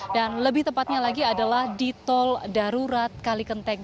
dan lebih tepatnya lagi adalah di tol darurat kalikenteng